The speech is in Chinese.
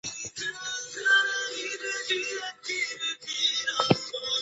油女志乃是夕日红带领的第八队的成员。